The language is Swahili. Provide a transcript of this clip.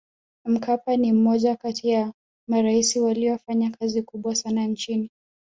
mkapa ni mmoja kati ya maraisi waliyofanya kazi kubwa sana nchini